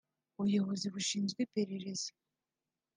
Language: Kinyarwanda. ubuyobozi bushinzwe iperereza